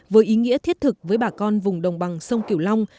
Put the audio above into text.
với ý nghĩa thiết thực với bà con vùng đồng bằng sông kiểu long